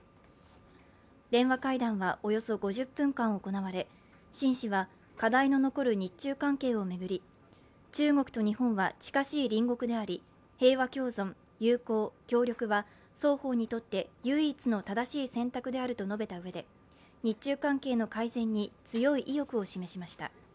電話会談はおよそ５０分間行われ、秦氏は課題の残る日中関係を巡り、中国と日本は近しい隣国であり平和共存、友好、協力は双方にとって唯一の正しい選択であると述べたうえで日中関係の改善に強い意欲を示しました。